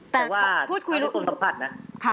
แต่ว่าถ้าเป็นคนสัมผัสนะ